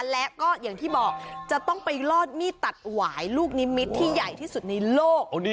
และก็อย่างที่บอกจะต้องไปลอดมีดตัดหวายลูกนิมิตรที่ใหญ่ที่สุดในโลก